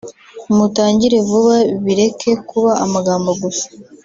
mutangire vuba bireke kuba amagambo gusa